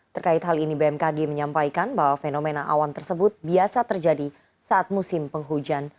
terkait hal ini bmkg menyampaikan bahwa fenomena awan tersebut biasa terjadi saat musim penghujan